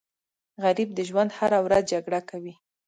غریب د ژوند هره ورځ جګړه کوي